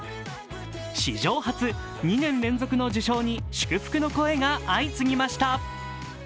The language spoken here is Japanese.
史上初２年連続の受賞に祝福の声が相次ぎました。